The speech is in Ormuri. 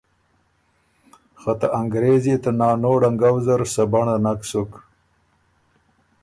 خه ته انګرېز يې ته نانو ړنګؤ زر سَبَنړه نک سُک